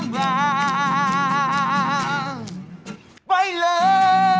ที่นี่